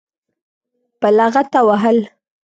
په لغته وهل.